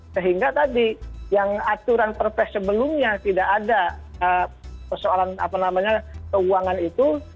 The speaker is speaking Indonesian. sehingga tadi yang aturan perpres sebelumnya tidak ada persoalan apa namanya keuangan itu